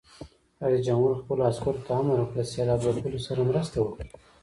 رئیس جمهور خپلو عسکرو ته امر وکړ؛ له سېلاب ځپلو سره مرسته وکړئ!